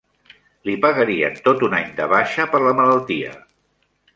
Li pagarien tot un any de baixa per la malaltia.